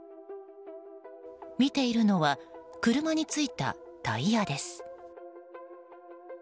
見ているのは車についたタイヤです。